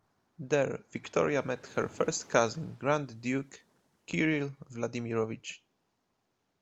There Victoria met her first cousin Grand Duke Kirill Vladimirovich.